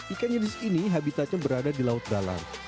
ikan yang disini habitatnya berada di laut dalang